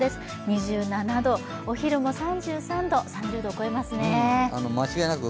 ２７度、お昼も３３度、３０度超えますね。